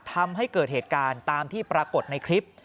ทำให้เกิดเหตุการณ์ตามที่ปรากฏในคลิป